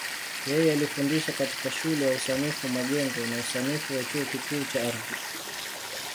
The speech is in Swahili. Yeye alifundisha katika Shule ya Usanifu Majengo na Usanifu wa Chuo Kikuu cha Ardhi.